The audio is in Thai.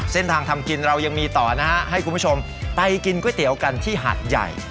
ทำกินเรายังมีต่อนะฮะให้คุณผู้ชมไปกินก๋วยเตี๋ยวกันที่หัดใหญ่